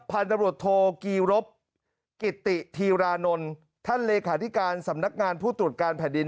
พันธบรวจโทกีรบกิติธีรานนท์ท่านเลขาธิการสำนักงานผู้ตรวจการแผ่นดิน